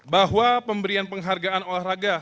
bahwa pemberian penghargaan olahraga